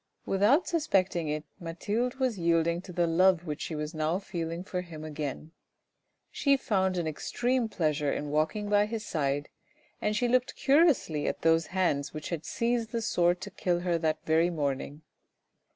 Without suspecting it Mathilde was yielding to the love which she was now feeling for him again. She found an extreme pleasure in walking by his side, and she looked curiously at those hands which had seized the sword to kill her that very morning.